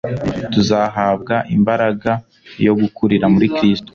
tuzahabwa imbaraga yo gukurira muri kristo